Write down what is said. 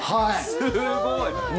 すごい。